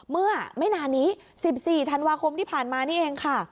เมื่อไม่นานนี้๑๔ธันวาคมที่ผ่านมานี่เองค่ะ